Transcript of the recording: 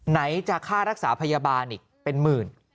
ไหนจะค่ารักษาพยาบาลอีกเป็นหมื่น